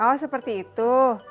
oh seperti itu